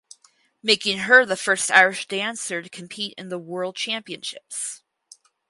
Making her the first Irish dancer to compete in the World Championships.